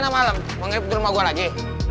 gimana malem mau ngekep di rumah gue lagi